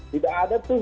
tidak ada tuh